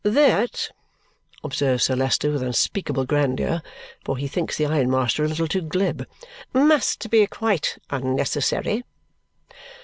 "That," observes Sir Leicester with unspeakable grandeur, for he thinks the ironmaster a little too glib, "must be quite unnecessary."